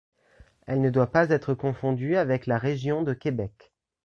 Elle ne doit pas être confondue avec la région de Québec.